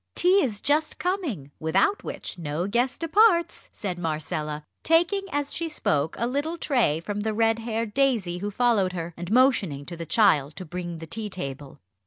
Tea is just coming, without which no guest departs," said Marcella, taking as she spoke a little tray from the red haired Daisy who followed her, and motioning to the child to bring the tea table.